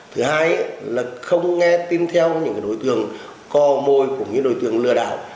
thứ hai là không nghe tin theo những đối tượng co mồi của những đối tượng lừa đảo